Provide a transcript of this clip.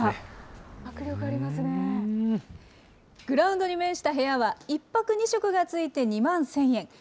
グラウンドに面した部屋は、１泊２食がついて２万１０００円。